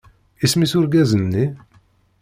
Isem-is urgaz-nni?